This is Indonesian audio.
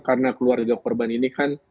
karena keluarga korban ini kan